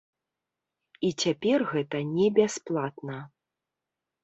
І цяпер гэта не бясплатна.